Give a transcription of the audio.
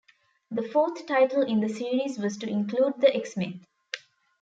The fourth title in the series was to include the X-Men.